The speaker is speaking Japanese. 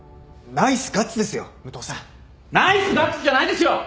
ナイスガッツじゃないですよ！